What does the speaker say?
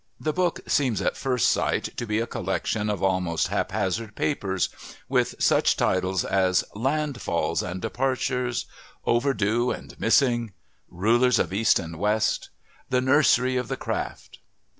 The book seems at first sight to be a collection of almost haphazard papers, with such titles as Landfalls and Departures, Overdue and Missing, Rulers of East and West, The Nursery of the Craft.